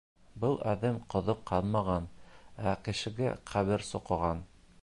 Был әҙәм ҡоҙоҡ ҡаҙмаған, ә кешегә ҡәбер соҡоған.